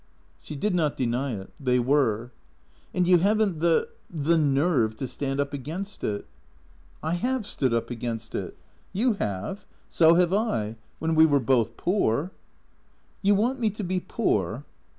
She did not deny it. They were. " And you have n't the — the nerve to stand up against it." " I have stood up against it." " You have. So have I. Wlien we were both poor." " You want me to be poor